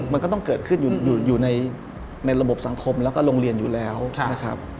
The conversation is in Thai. มันก็ต้องเกิดขึ้นอยู่ในระบบสังคมแล้วก็โรงเรียนอยู่แล้วนะครับ